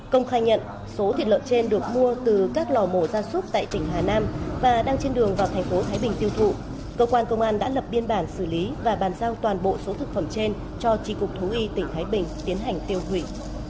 công khai nhận số thịt lợn trên được mua từ các lò mổ gia súc tại tỉnh hà nam và đang trên đường vào thành phố thái bình tiêu thụ cơ quan công an đã lập biên bản xử lý và bàn giao toàn bộ số thực phẩm trên cho tri cục thú y tỉnh thái bình tiến hành tiêu hủy